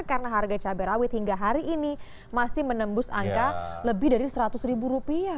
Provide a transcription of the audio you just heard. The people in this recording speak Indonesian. karena harga cabai rawit hingga hari ini masih menembus angka lebih dari seratus ribu rupiah